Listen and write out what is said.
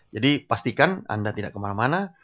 jadi pastikan anda tidak kemana mana